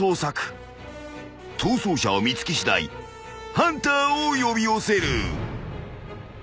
［逃走者を見つけしだいハンターを呼び寄せる］